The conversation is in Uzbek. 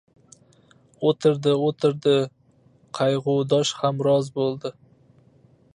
O‘tirdi-o‘tirdi — qayg‘udosh hamroz bo‘ldi: